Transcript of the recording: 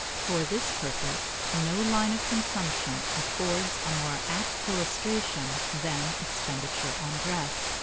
For this purpose no line of consumption affords a more apt illustration than expenditure on dress.